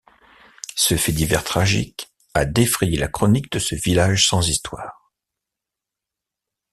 Ce fait divers tragique a défrayé la chronique de ce village sans histoires.